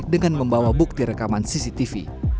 dengan membawa bukti rekaman cctv